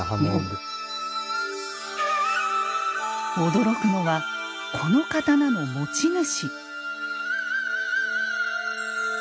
驚くのはこの刀の持ち主。